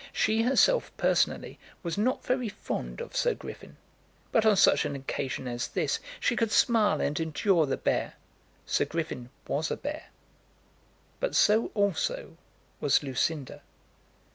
She herself, personally, was not very fond of Sir Griffin; but on such an occasion as this she could smile and endure the bear. Sir Griffin was a bear, but so also was Lucinda.